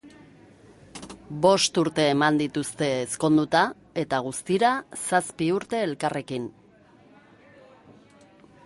Bost urte eman dituzte ezkonduta eta guztira zazpi urte elkarrekin.